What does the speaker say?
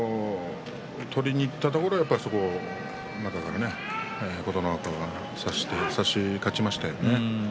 取りにいったところ中から琴ノ若が差して差し勝ちましたよね。